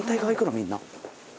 みんな。